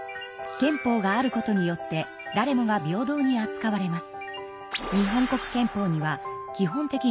憲法があることによって誰もが平等にあつかわれます。